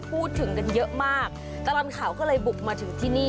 พูดถึงกันเยอะมากตลอดข่าวก็เลยบุกมาถึงที่นี่